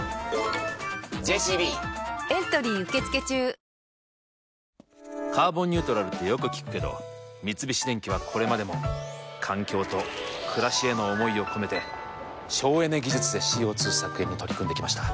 いや逆にあるなこれはいやＡだったらすごいマジで「カーボンニュートラル」ってよく聞くけど三菱電機はこれまでも環境と暮らしへの思いを込めて省エネ技術でＣＯ２削減に取り組んできました。